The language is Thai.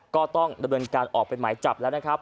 ก็ต้องดำเนินการออกเป็นหมายจับแล้วนะครับ